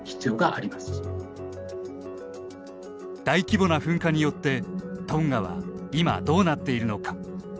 大規模な噴火によってトンガは今、どうなっているのか。